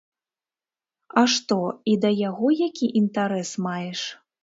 А што, і да яго які інтарэс маеш?